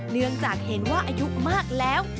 เนื่องจากเห็นว่าอายุมากแล้ว